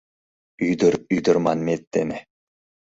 Ӱдыр-ӱдыр манмет дене